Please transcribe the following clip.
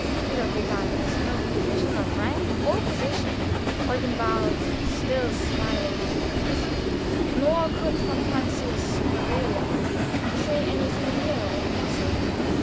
We recognize no division of rank or possession." Eugen bowed, still smiling ambiguously, nor could von Francius prevail upon him to say anything nearer or more certain.